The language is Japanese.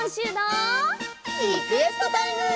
リクエストタイム！